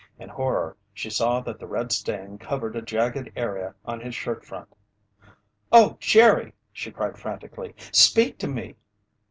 In horror, she saw that the red stain covered a jagged area on his shirt front. "Oh, Jerry!" she cried frantically. "Speak to me!"